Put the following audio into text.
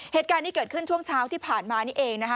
เหตุการณ์นี้เกิดขึ้นช่วงเช้าที่ผ่านมานี่เองนะคะ